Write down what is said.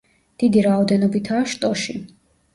დიდი რაოდენობითაა შტოში.